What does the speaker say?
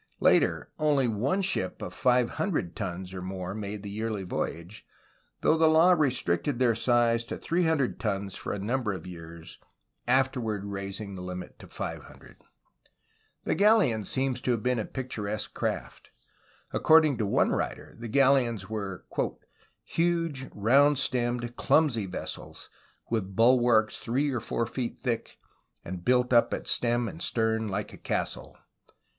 Later, only one ship of five hundred tons or more made the yearly voyage, though the law restricted their size to three hun THE MANILA GALLEON 87 dred tons for a number of years, afterward raising the limit to five hundred. The galleon seems to have been a pictur esque craft. According to one writer the galleons were: "huge round stemmed, clumsy vessels, with bulwarks three or four feet thick, and built up at stem and stern like a castle."